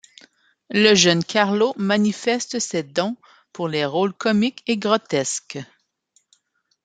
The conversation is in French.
Le jeune Carlo manifeste ses dons pour les rôles comiques et grotesques.